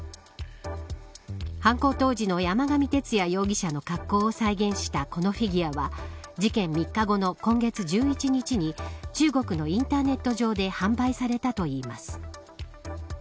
犯行当時の山上徹也容疑者の格好を再現したこのフィギュアは事件３日後の今月１１日に中国のインターネット上で販売されたといいます。